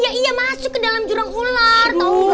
ya iya masuk ke dalam jurang ular tau gak